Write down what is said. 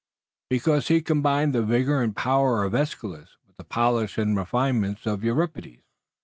"Because he combined the vigor and power of Aeschylus with the polish and refinement of Euripides."